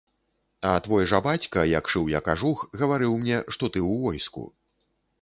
А твой жа бацька, як шыў я кажух, гаварыў мне, што ты ў войску.